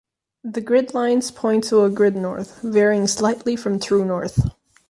The grid lines point to a Grid North, varying slightly from True North.